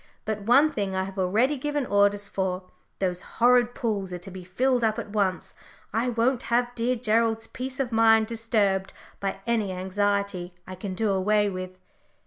But one thing I have already given orders for: those horrid pools are to be filled up at once. I won't have dear Gerald's peace of mind disturbed by any anxiety I can do away with."